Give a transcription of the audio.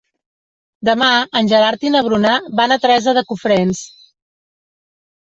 Demà en Gerard i na Bruna van a Teresa de Cofrents.